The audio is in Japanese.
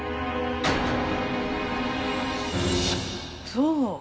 そう。